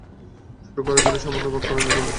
শুরু করার জন্য সামান্য ভাগ করে নিতে হবে।